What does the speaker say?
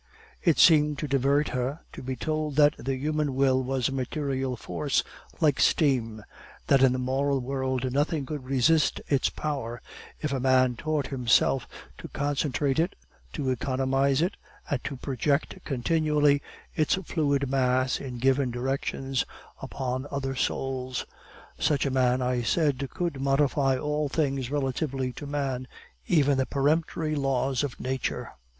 It seemed to divert her to be told that the human will was a material force like steam; that in the moral world nothing could resist its power if a man taught himself to concentrate it, to economize it, and to project continually its fluid mass in given directions upon other souls. Such a man, I said, could modify all things relatively to man, even the peremptory laws of nature.